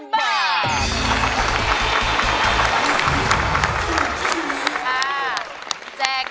ลูกน้ำชม